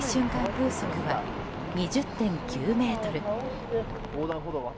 風速は２０．９メートル。